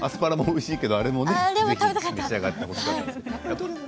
アスパラもおいしいけれどもあれも召し上がってほしかった。